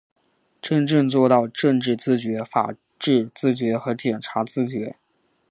真正做到政治自觉、法治自觉和检察自觉